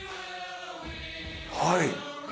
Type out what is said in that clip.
はい！